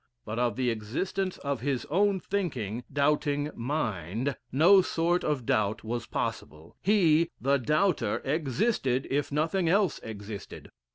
But of the existence of his own thinking, doubting mind, no sort of doubt was possible. He, the doubter, existed if nothing else existed.